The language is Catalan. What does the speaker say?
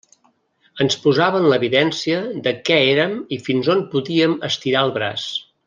Ens posava en l'evidència de què érem i fins on podíem estirar el braç.